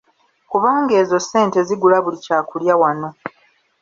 Kubanga ezo sente zigula buli kyakulya wano.